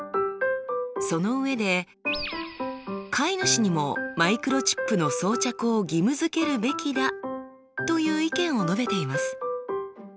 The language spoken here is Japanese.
その上で飼い主にもマイクロチップの装着を義務付けるべきだという意見を述べています。